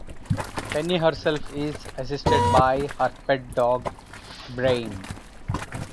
Penny herself is assisted by her pet dog Brain.